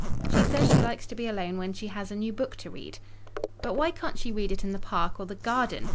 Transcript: "She says she likes to be alone when she has a new book to read." "But why can't she read it in the park or the garden?